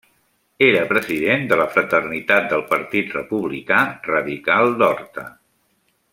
Era president de la Fraternitat del Partit Republicà Radical d'Horta.